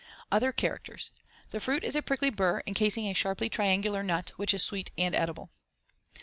Other characters: The fruit is a prickly burr encasing a sharply triangular nut which is sweet and edible.